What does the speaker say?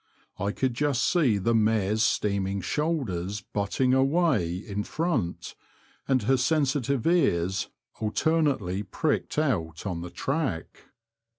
I could just see the mare's steaming shoulders butting away in front, and her sensitive ears alternately pricked out on the track.